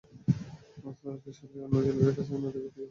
মাছ ধরা শেষ হলেই অন্য জেলেদের কাছে নদীতেই বিক্রি হয়ে যাচ্ছে।